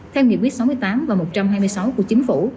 theo nhiệm viết sáu mươi tám và một trăm hai mươi sáu của chính phủ